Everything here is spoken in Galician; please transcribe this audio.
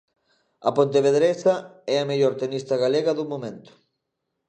A pontevedresa é a mellor tenista galega do momento.